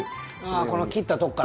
この切ったとこからね。